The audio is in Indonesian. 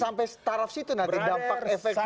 sampai taraf situ nanti dampak efeknya